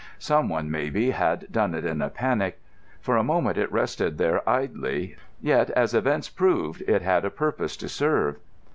Someone, maybe, had done it in a panic. For a moment it rested there idly: yet, as events proved, it had a purpose to serve.